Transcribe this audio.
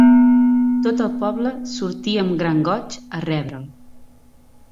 Tot el poble sortí amb gran goig a rebre'l.